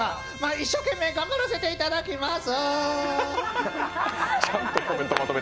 一生懸命頑張らせていただきます。